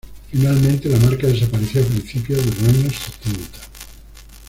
Finalmente, la marca desapareció a principios de los años setenta.